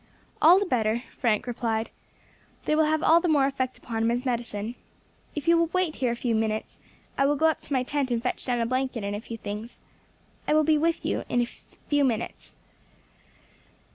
"All the better," Frank replied; "they will have all the more effect upon him as medicine. If you will wait here a few minutes, I will go up to my tent and fetch down a blanket and a few things. I will be with you in ten minutes."